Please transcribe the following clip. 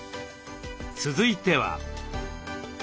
続いては。